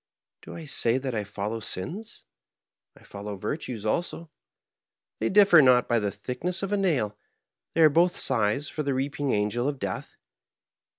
Do I say that I follow sins ? I follow virtues also ; they differ not by the thickness of a nail, they are both scythes for the reaping angel of death.